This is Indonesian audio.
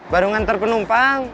baru ngantar penumpang